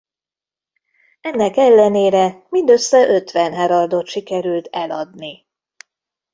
Ennek ellenére mindössze ötven Heraldot sikerült eladni.